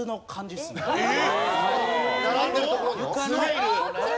並んでるところの？